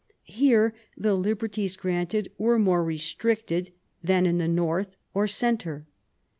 Here the liberties granted were more restricted than in north or centre.